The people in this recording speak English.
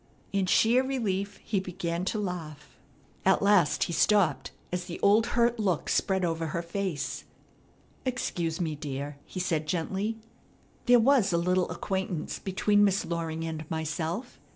In sheer relief he began to laugh. At last he stopped, as the old hurt look spread over her face. "Excuse me, dear," he said gently, "There was a little acquaintance between Miss Loring and myself.